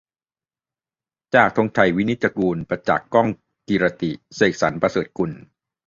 จาก ธงชัย วินิจจะกูล ประจักษ์ ก้องกีรติ เสกสรรค์ ประเสริฐกุล